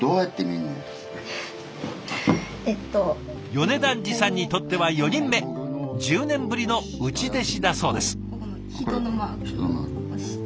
米團治さんにとっては４人目１０年ぶりの内弟子だそうです。